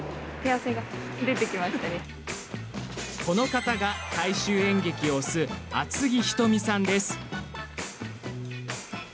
この方が大衆演劇を推す厚木仁美さんです。